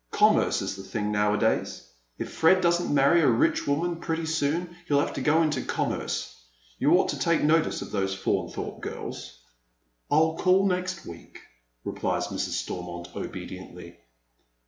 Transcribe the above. Commerce is the thing now a days. If Fred doesn't marry a rich woman pretty Boon he'll have to go into commerce. You ought to take notice of those Faunthorpe girls." " I'll call next week," rephes Mrs. Stormont, obediently.